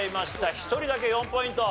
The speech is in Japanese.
１人だけ４ポイント。